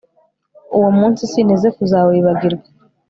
uwo munsi sinteze kuzawibagirwa